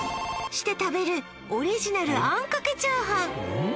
○○して食べるオリジナルあんかけチャーハン